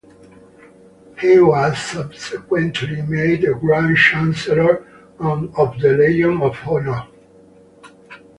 He was subsequently made a Grand Chancellor of the Legion of Honour.